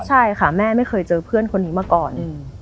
ใช่ค่ะแม่ไม่เคยเจอเพื่อนคนนี้มาก่อน